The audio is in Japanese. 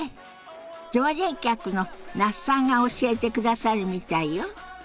常連客の那須さんが教えてくださるみたいよ。